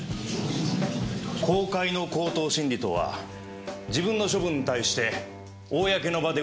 公開の口頭審理とは自分の処分に対して公の場で訴える事ができる。